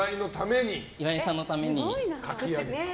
岩井さんのために。